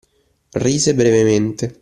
Rise brevemente.